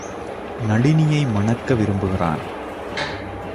நளினியை மணக்க விரும்புகிறான்.